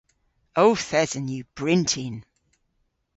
Ow thesen yw bryntin.